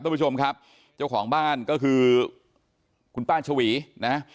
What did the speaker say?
ทุกผู้ชมครับเจ้าของบ้านก็คือคุณป้าชวีนะ